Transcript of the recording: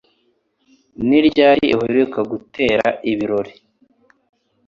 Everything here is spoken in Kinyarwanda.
Ni ryari uheruka gutera ibirori